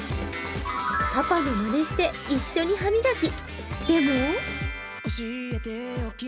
パパのまねして、一緒に歯磨き。